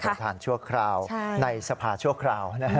ประธานชั่วคราวในสภาชั่วคราว